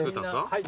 はい。